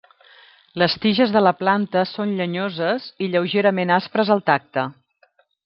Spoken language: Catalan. Les tiges de la planta són llenyoses i lleugerament aspres al tacte.